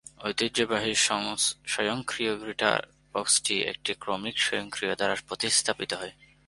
ঐতিহ্যবাহী স্বয়ংক্রিয় গিয়ারবক্সটি একটি ক্রমিক স্বয়ংক্রিয় দ্বারা প্রতিস্থাপিত হয়।